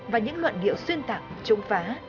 và những luận điệu xuyên tạng chống phá